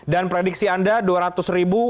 dan prediksi anda dua ratus ribu